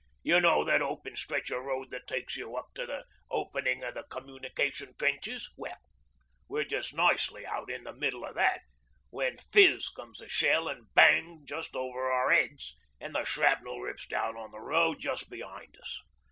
You know that open stretch of road that takes you up to the openin' o' the communication trenches? Well, we're just nicely out in the middle o' that when Fizz comes a shell an' Bang just over our 'eads, an' the shrapnel rips down on the road just behind us.